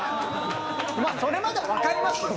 それはまだわかりますよ。